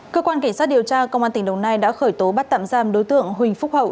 cơ quan cảnh sát điều tra công an tỉnh đồng nai đã khởi tố bắt tạm giam đối tượng huỳnh phúc hậu